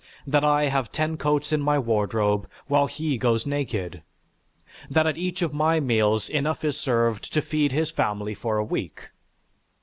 That I have ten coats in my wardrobe while he goes naked? That at each of my meals enough is served to feed his family for a week?